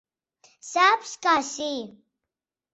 Saps que sí.